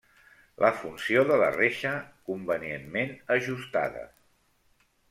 La funció de la reixa, convenientment ajustada.